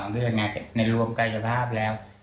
๒เดือนในรวมกายภาพแล้ว